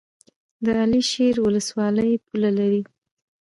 د علي شیر ولسوالۍ پوله لري